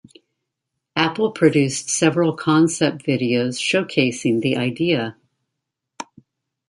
Apple produced several concept videos showcasing the idea.